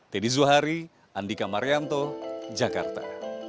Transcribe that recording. teddy zuhari andika marianto jakarta